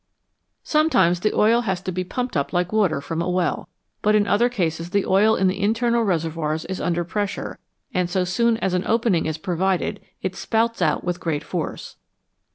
NATURE'S STORES OF FUEL Sometimes the oil has to be pumped up like water from a well, but in other cases the oil in the internal reservoirs is under pressure, and so soon as an opening is provided it spouts out with great force.